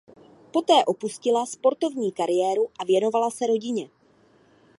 Poté opustila sportovní kariéru a věnovala se rodině.